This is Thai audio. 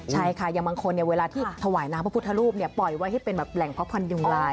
ใช่ค่ะอย่างบางคนเวลาที่ถวายน้ำพระพุทธรูปปล่อยไว้ให้เป็นแบบแหล่งเพาะพันธุงลาย